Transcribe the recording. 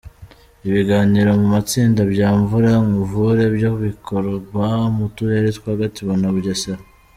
Ibiganiro mu matsinda bya Mvura nkuvure byo bikorerwa mu turere twa Gatsibo na Bugesera.